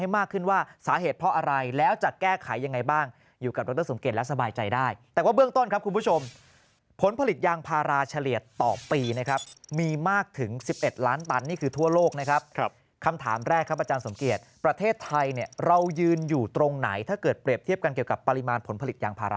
มากขึ้นว่าสาเหตุเพราะอะไรแล้วจะแก้ไขยังไงบ้างอยู่กับดรสมเกตและสบายใจได้แต่ว่าเบื้องต้นครับคุณผู้ชมผลผลิตยางพาราเฉลี่ยต่อปีนะครับมีมากถึง๑๑ล้านตันนี่คือทั่วโลกนะครับคำถามแรกครับอาจารย์สมเกียจประเทศไทยเนี่ยเรายืนอยู่ตรงไหนถ้าเกิดเปรียบเทียบกันเกี่ยวกับปริมาณผลผลิตยางพารา